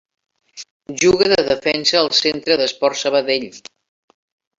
Juga de defensa al Centre d'Esports Sabadell.